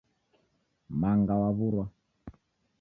Manga wawurwa